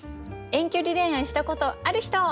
遠距離恋愛したことある人？